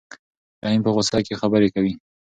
رحیم په غوسه کې خبرې کوي.